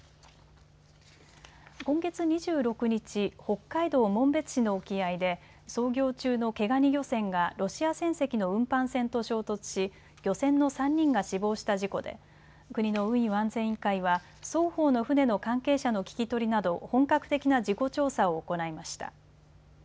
今月２６日、北海道紋別市の沖合で操業中の毛ガニ漁船がロシア船籍の運搬船と衝突し、漁船の３人が死亡した事故で国の運輸安全委員会は双方の船の関係者の聞き取りなど本格的な事故調査を行いました。